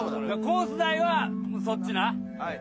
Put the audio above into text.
コース代はそっちな。